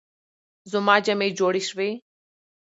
زما جامې جوړې شوې؟